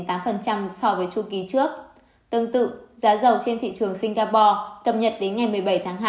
tương tự giá dầu trên thị trường singapore cập nhật đến ngày một mươi bảy tháng hai